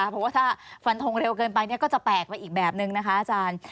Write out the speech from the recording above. เพราะว่าถ้าฟันทงเร็วเกินไปก็จะแปลกไปอีกแบบนึงนะคะอาจารย์